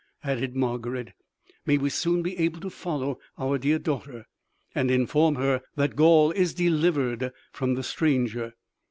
added Margarid; "May we soon be able to follow our dear daughter and inform her that Gaul is delivered from the stranger."